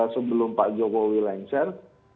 sebelum pak jokowi lengser